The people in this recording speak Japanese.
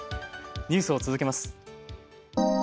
ニュースを続けます。